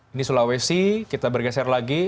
ini sulawesi kita bergeser lagi